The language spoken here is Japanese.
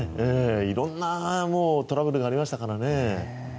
色んなトラブルがありましたからね。